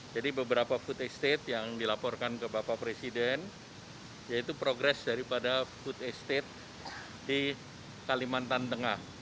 jadi beberapa food estate yang dilaporkan ke bapak presiden yaitu progres daripada food estate di kalimantan tengah